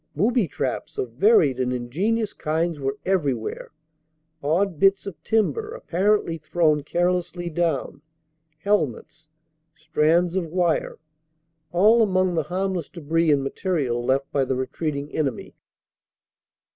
Booby traps of varied and ingenious kinds were everywhere odd bits of timber apparently thrown carelessly down, helmets, strands of wire, all among the harmless debris and material left by the retreating enemy."